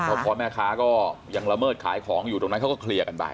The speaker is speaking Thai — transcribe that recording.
เพราะพ่อแม่ค้าก็ยังละเมิดขายของอยู่ตรงนั้นเขาก็เคลียร์กันไป